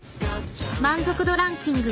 ［満足度ランキング